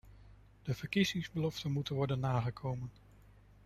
De verkiezingsbeloften moeten worden nagekomen.